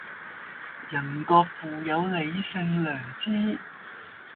人各賦有理性良知